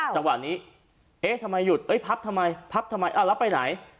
จังหวะนี้เอ๊ะทำไมหยุดเอ้ยพับทำไมพับทำไมแล้วไปไหน